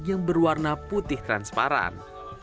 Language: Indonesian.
yang berwarna putih transparan